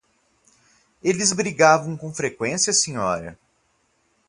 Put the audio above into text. Eles brigavam com frequência, senhora?